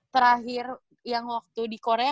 terakhir yang waktu di korea